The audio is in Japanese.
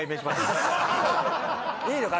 いいのか？